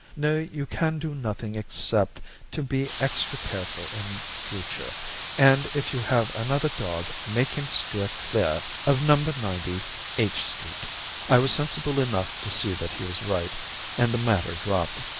No, you can do nothing except to be extra careful in future, and if you have another dog make him steer clear of No. 90 H Street.' "I was sensible enough to see that he was right, and the matter dropped.